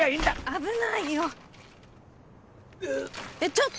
危ないよえっ